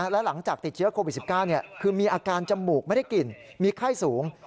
และหลังจากติดเชื้อโควิด๑๙คือมีอาการจมูกไม่ได้กลิ่นมีไข้สูง